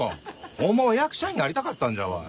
ホンマは役者になりたかったんじゃわい。